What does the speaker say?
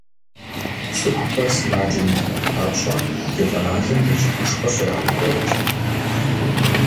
ЦӀыхухэр сымаджэ мыхъун папщӀэ, ди къэралым лэжьыгъэшхуэ щрагъэкӀуэкӀ.